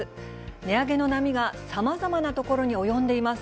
値上げの波がさまざまなところに及んでいます。